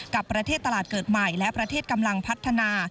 กับประเทศตลาดเกิดใหม่และประเทศกำลังพัฒนา